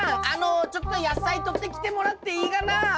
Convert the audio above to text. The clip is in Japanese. あのちょっと野菜とってきてもらっていいがな？